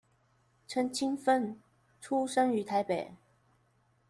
陳清汾出生於台北